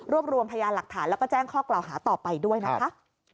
รวมรวมพยานหลักฐานแล้วก็แจ้งข้อกล่าวหาต่อไปด้วยนะคะ